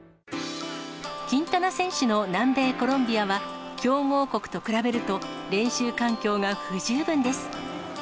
キンタナ選手の南米コロンビアは、強豪国と比べると、練習環境が不十分です。